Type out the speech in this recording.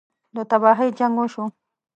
ده تباهۍ جـنګ وشو.